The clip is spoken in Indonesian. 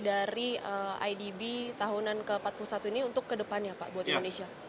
dari idb tahunan ke empat puluh satu ini untuk kedepannya pak buat indonesia